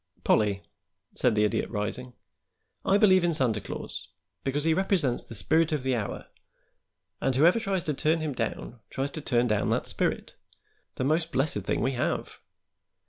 "Pollie," said the Idiot, rising, "I believe in Santa Claus because he represents the spirit of the hour, and whoever tries to turn him down tries to turn down that spirit the most blessed thing we have.